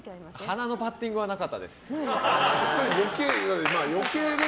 鼻のバッティングはなかったです。